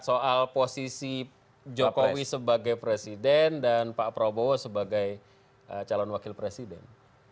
soal posisi jokowi sebagai presiden dan pak prabowo sebagai calon wakil presiden